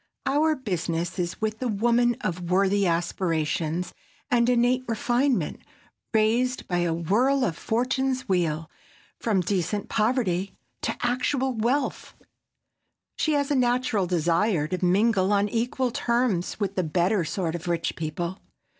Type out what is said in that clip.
Our business is with the woman of worthy aspirations and innate refinement, raised by a whirl of fortune's wheel from decent poverty to actual wealth. She has a natural desire to mingle on equal terms with the better sort of rich people.